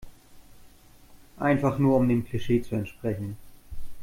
Einfach nur um dem Klischee zu entsprechen.